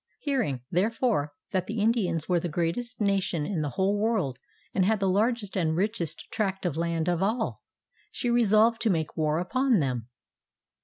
Hearing, therefore, that the Indians were the greatest nation in the whole world and had the largest and richest tract of land of all, she resolved to make war upon them.